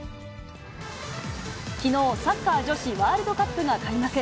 きのう、サッカー女子ワールドカップが開幕。